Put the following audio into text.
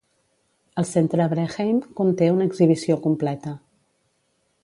El Centre Breheim conté una exhibició completa.